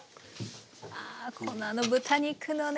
あこのあの豚肉のね